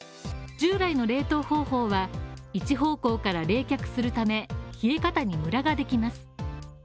従来の冷凍方法は、一方向から冷却するため、冷え方にむらができます。